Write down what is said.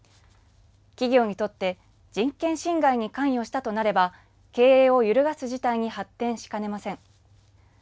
企業にとって人権侵害に関与したとなれば経営を揺るがす事態に発展しかねません。